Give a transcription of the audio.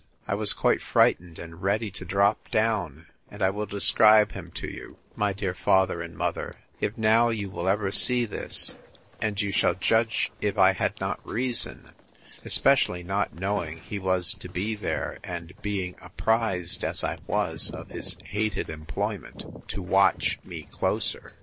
—I was quite frightened, and ready to drop down; and I will describe him to you, my dear father and mother, if now you will ever see this: and you shall judge if I had not reason, especially not knowing he was to be there, and being apprised, as I was, of his hated employment, to watch me closer.